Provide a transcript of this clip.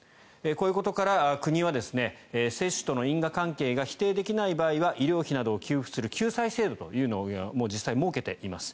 こういうことから国は接種との因果関係が否定できない場合は医療費などを給付する救済制度というのを実際設けています。